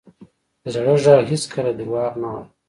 د زړه ږغ هېڅکله دروغ نه وایي.